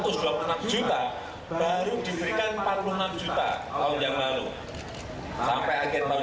jokowi berpesan penyerahan sertifikat tanah ini diberikan ke jokowi